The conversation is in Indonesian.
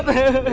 lihat aku kan